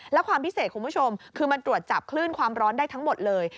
และความพิเศษคุณผู้ชมคือมันตรวจจับคลื่นความร้อนได้ทั้งหมดเลย